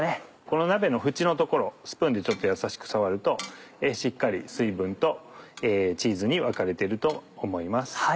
この鍋の縁の所をスプーンでちょっとやさしく触るとしっかり水分とチーズに分かれてると思います。